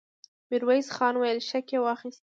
ميرويس خان وويل: شک يې واخيست!